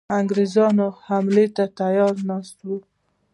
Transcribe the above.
انګرېزان حملې ته تیار ناست وه.